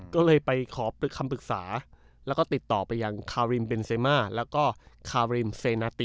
ก็เลยไปขอคำปรึกษาแล้วก็ติดต่อไปยังคาริมเบนเซมาแล้วก็คาริมเซนาติ